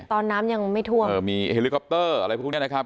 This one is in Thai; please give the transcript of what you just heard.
น้ำยังไม่ท่วมเออมีเฮลิคอปเตอร์อะไรพวกนี้นะครับ